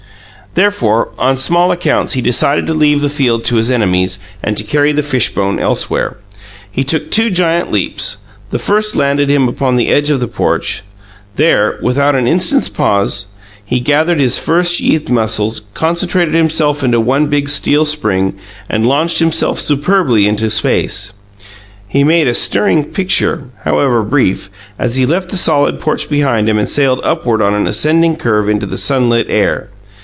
Therefore, on small accounts he decided to leave the field to his enemies and to carry the fishbone elsewhere. He took two giant leaps. The first landed him upon the edge of the porch. There, without an instant's pause, he gathered his fur sheathed muscles, concentrated himself into one big steel spring, and launched himself superbly into space. He made a stirring picture, however brief, as he left the solid porch behind him and sailed upward on an ascending curve into the sunlit air.